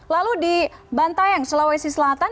lalu di bantaeng sulawesi selatan